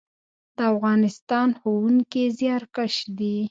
د افغانستان ښوونکي زیارکښ دي